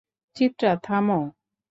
চিত্রা, থামো!